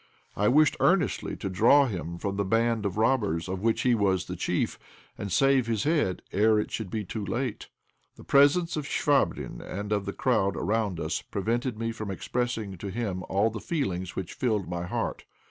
I wished earnestly to draw him from the band of robbers of which he was the chief, and save his head ere it should be too late. The presence of Chvabrine and of the crowd around us prevented me from expressing to him all the feelings which filled my heart.